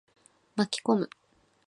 巻き込む。